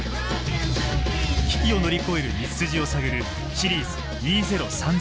危機を乗り越える道筋を探る「シリーズ２０３０」。